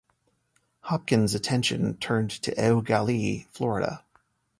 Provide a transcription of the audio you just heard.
Hopkins' attention turned to Eau Gallie, Florida.